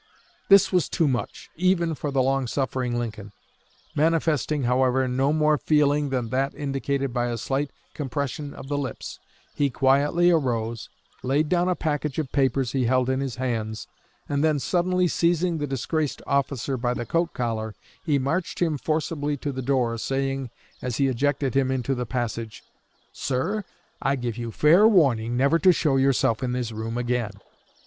This was too much, even for the long suffering Lincoln. Manifesting, however, no more feeling than that indicated by a slight compression of the lips, he quietly arose, laid down a package of papers he held in his hands, and then, suddenly seizing the disgraced officer by the coat collar, he marched him forcibly to the door, saying, as he ejected him into the passage, "Sir, I give you fair warning never to show yourself in this room again.